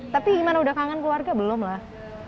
tapi gimana udah kangen keluarga belum lah